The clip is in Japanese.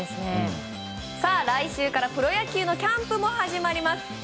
来週からプロ野球のキャンプも始まります。